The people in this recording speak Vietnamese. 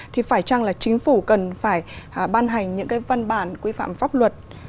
thì phải chăng là chính phủ cần phải ban hành những cái văn bản quy phạm pháp luật